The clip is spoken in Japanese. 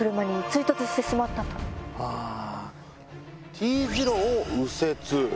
Ｔ字路を右折。